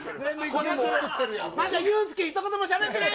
まだユースケ一言もしゃべってない。